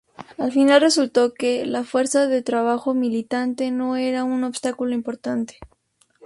Al final resultó que, la fuerza de trabajo "militante" no era un obstáculo importante.